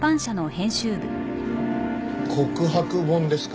告白本ですか？